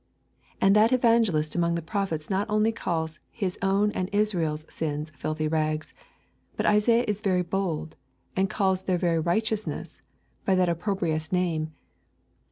And that evangelist among the prophets not only calls his own and Israel's sins filthy rags, but Isaiah is very bold, and calls their very righteousnesses by that opprobrious name.